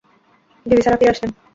বিবি Sarah ফিরে আসলেন।